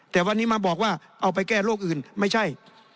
แต่วันนี้มาบอกว่าเอาไปแก้โรคอื่นไม่ใช่